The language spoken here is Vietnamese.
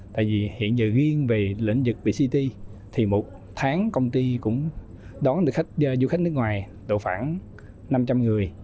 tại vì hiện giờ riêng về lĩnh vực bct thì một tháng công ty cũng đón du khách nước ngoài độ phản năm trăm linh người